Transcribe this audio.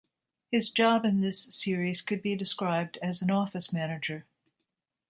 His job in this series could be described as an office manager.